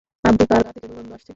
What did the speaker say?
আব্বু, তার গা থেকে দুর্গন্ধ আসছে।